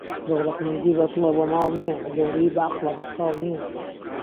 دەوڵەمەندی بەدڵە بە ماڵ نییە، گەورەیی بە عەقڵە بە ساڵ نییە.